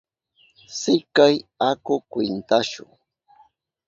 Sikay, aku kwintashu.